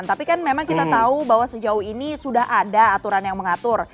tapi kan memang kita tahu bahwa sejauh ini sudah ada aturan yang mengatur